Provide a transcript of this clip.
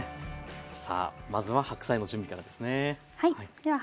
さあまずは白菜の準備からですね。